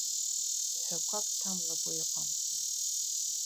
Ҳәақәак ҭамлакәа иҟам.